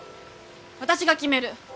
私が決める。